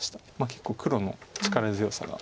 結構黒の力強さが。